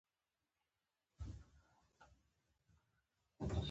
دا د اضافي پیسو په مقابل کې ورکول کېږي